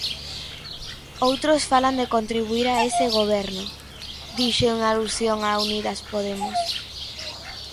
Outros falan de contribuír a ese Goberno, dixo en alusión a Unidas Podemos.